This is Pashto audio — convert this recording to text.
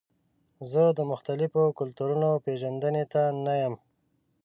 زه د مختلفو کلتورونو پیژندنې ته نه یم.